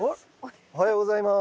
おはようございます。